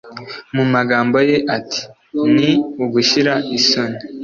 mu magambo ye ati ``Ni ugushira isoni